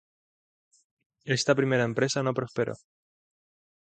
Esta primera empresa no prosperó.